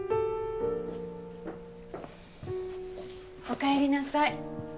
おかえりなさい。